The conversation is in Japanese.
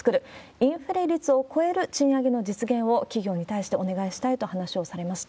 インフレ率を超える賃上げの実現を企業に対してお願いしたいと話をされました。